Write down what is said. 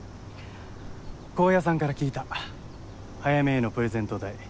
洸也さんから聞いた早梅へのプレゼント代